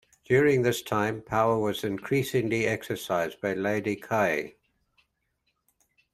During this time power was increasingly exercised by Lady Ki.